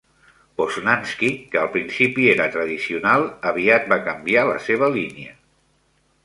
Poznanski, que al principi era tradicional, aviat va canviar la seva línia.